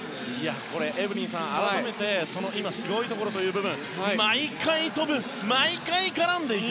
エブリンさん、改めてすごいところという部分毎回跳ぶ、毎回絡んでいく。